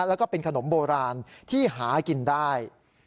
แล้วก็เป็นขนมโบราณที่หากินได้